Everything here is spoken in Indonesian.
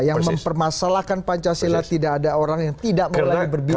yang mempermasalahkan pancasila tidak ada orang yang tidak mau lagi berbicara